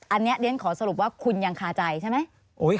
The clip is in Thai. อันนี้เรียนขอสรุปว่าคุณยังคาใจใช่ไหม